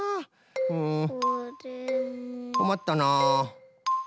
うんこまったな。